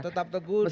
tetap teguh dan